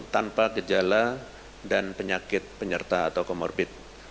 tanpa gejala dan penyakit penyerta atau comorbid